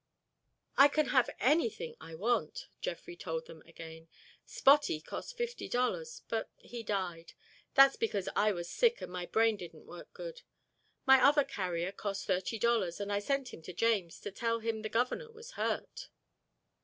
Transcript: "I can have anything I want," Jeffrey told them again. "Spotty cost fifty dollars, but he died. That's because I was sick and my brain didn't work good. My other carrier cost thirty dollars and I sent him to James to tell him the governor was hurt."